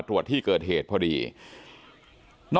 สวัสดีครับทุกคน